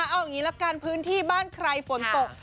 เอาอย่างนี้ละกันพื้นที่บ้านใครฝนตก